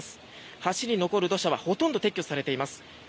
橋に残る土砂はほとんど撤去されています。